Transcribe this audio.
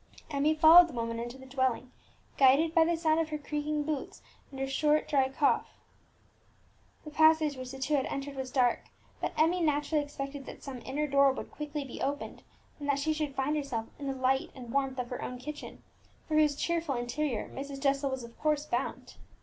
Emmie followed the woman into the dwelling, guided by the sound of her creaking boots and her short dry cough. The passage which the two had entered was dark, but Emmie naturally expected that some inner door would quickly be opened, and that she should find herself in the light and warmth of her own kitchen, for whose cheerful interior Mrs. Jessel of course was bound.